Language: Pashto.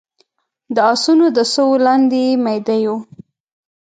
د اسونو د سوو لاندې يې ميده يو